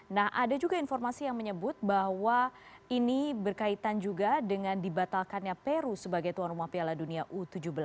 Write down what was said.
nah ada juga informasi yang menyebut bahwa ini berkaitan juga dengan dibatalkannya peru sebagai tuan rumah piala dunia u tujuh belas